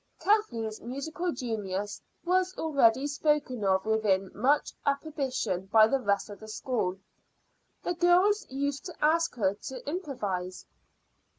Kathleen's musical genius was already spoken of with much approbation by the rest of the school. The girls used to ask her to improvise.